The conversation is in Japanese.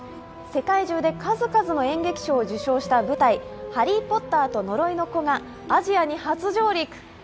世界中で数々の演劇賞を受賞した舞台「ハリー・ポッターと呪いの子」がアジアに初上陸。